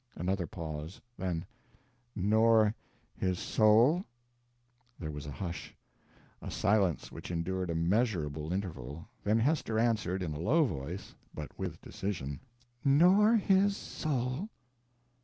Another pause. Then: "Nor his soul?" There was a hush a silence which endured a measurable interval then Hester answered, in a low voice, but with decision: "Nor his soul?"